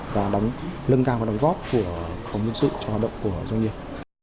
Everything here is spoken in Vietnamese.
và lân cao và đóng góp của phòng quản lý nhân sự cho hoạt động của doanh nghiệp